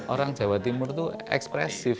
orang jawa timur itu ekspresif